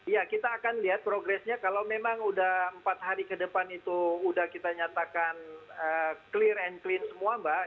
ya kita akan lihat progresnya kalau memang sudah empat hari ke depan itu udah kita nyatakan clear and clean semua mbak